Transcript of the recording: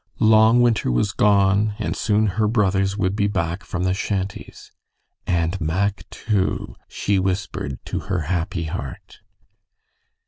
Long winter was gone, and soon her brothers would be back from the shanties. "And Mack, too," she whispered to her happy heart.